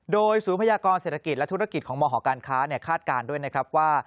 โดยศูนย์พยากรเศรษฐกิจและธุรกิจของมหการค้าคาดการณ์ด้วยนะครับว่า